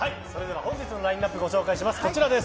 本日のラインアップご紹介します。